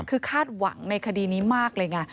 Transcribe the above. คือคาดหวังในคดีนี้มากเลยไง